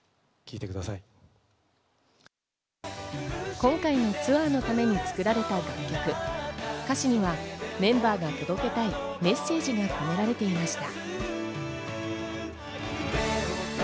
今回のツアーのために作られた楽曲、歌詞にはメンバーが届けたいメッセージが込められていました。